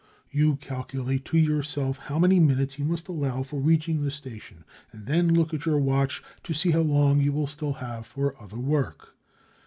You calculate to yourself how many minutes you must allow for reaching the station, and then look at your watch to see how long you will still have for other work.